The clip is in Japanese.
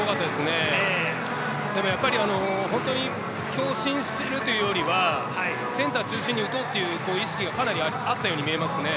強振するというよりは、センター中心に打とうという意識がかなりあったように見えます。